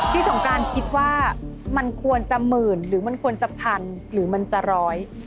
สงการคิดว่ามันควรจะหมื่นหรือมันควรจะพันหรือมันจะร้อย